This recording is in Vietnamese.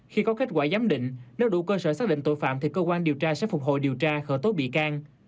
khi có kết quả giám định nếu đủ cơ sở xác định tội phạm thì cơ quan điều tra sẽ phục hồi điều tra khởi tố bị can